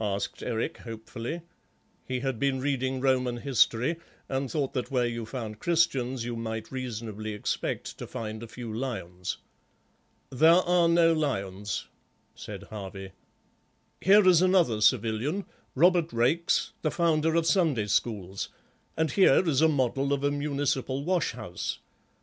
asked Eric hopefully. He had been reading Roman history and thought that where you found Christians you might reasonably expect to find a few lions. "There are no lions," said Harvey. "Here is another civilian, Robert Raikes, the founder of Sunday schools, and here is a model of a municipal wash house.